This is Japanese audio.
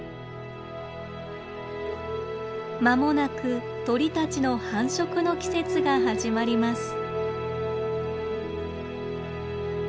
間もなく鳥たちの繁殖の季節が始まります。